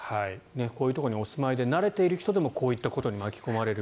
こういうところにお住まいで慣れている人でもこういうことに巻き込まれる。